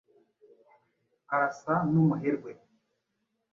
Arasa numuherwe.